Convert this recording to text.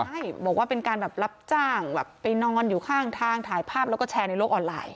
ใช่บอกว่าเป็นการแบบรับจ้างแบบไปนอนอยู่ข้างทางถ่ายภาพแล้วก็แชร์ในโลกออนไลน์